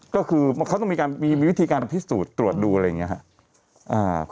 ก็คือเขาต้องมีวิธีการพิสูจน์ตรวจดูอะไรแบบนี้ค่ะ